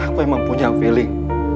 aku emang punya feeling